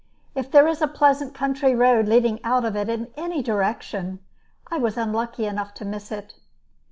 If there is a pleasant country road leading out of it in any direction, I was unlucky enough to miss it.